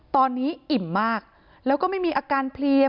ตอนนี้อิ่มมากแล้วก็ไม่มีอาการเพลีย